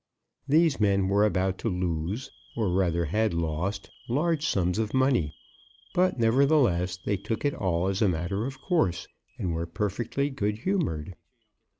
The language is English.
These men were about to lose, or rather had lost, large sums of money; but, nevertheless, they took it all as a matter of course, and were perfectly good humoured.